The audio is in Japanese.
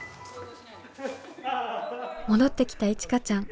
戻ってきたいちかちゃん。